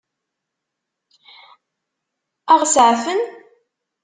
Ad ɣ-seɛfen?